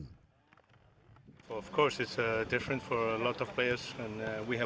pemain pemain islandia tidak bisa beradaptasi dengan iklim tropis yang panas dalam singkatnya persiapan jelang pertandingan